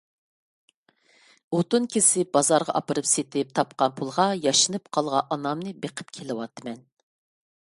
ئوتۇن كېسىپ بازارغا ئاپىرىپ سېتىپ، تاپقان پۇلغا ياشىنىپ قالغان ئانامنى بېقىپ كېلىۋاتىمەن.